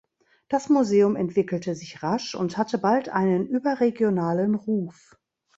Das Museum entwickelte sich rasch und hatte bald einen überregionalen Ruf.